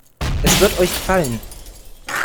Es wird euch gefallen.